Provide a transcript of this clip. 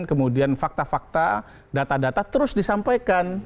kemudian fakta fakta data data terus disampaikan